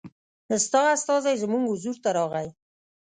ستا استازی زموږ حضور ته راغی.